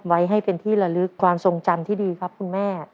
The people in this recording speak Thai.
ไว้ให้เป็นที่ละลึกความทรงจำที่ดีครับคุณแม่